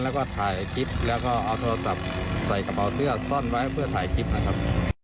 แล้วก็ถ่ายคลิปแล้วก็เอาโทรศัพท์ใส่กระเป๋าเสื้อซ่อนไว้เพื่อถ่ายคลิปนะครับ